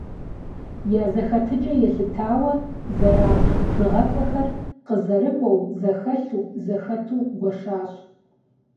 Я зэхэтыкӀэ елъытауэ зэрабж бжыгъэцӀэхэр къызэрыкӀуэу, зэхэлъу, зэхэту гуэшащ.